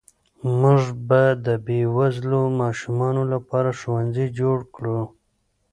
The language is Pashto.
موږ به د بې وزلو ماشومانو لپاره ښوونځي جوړ کړو.